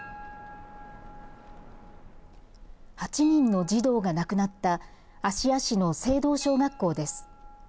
８人の児童が亡くなった芦屋市の精道小学校です。